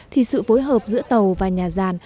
thì sự phối hợp giữa tàu và nhà giàn